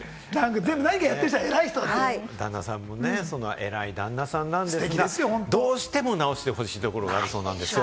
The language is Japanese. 旦那さんもね、その偉い旦那さんなんですが、どうしても直してほしいところがあるそうなんですよ。